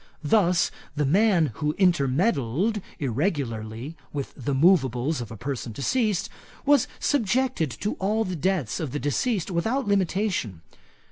Thus, the man who intermeddled irregularly with the moveables of a person deceased, was subjected to all the debts of the deceased without limitation.